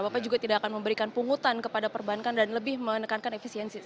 bapak juga tidak akan memberikan pungutan kepada perbankan dan lebih menekankan efisiensi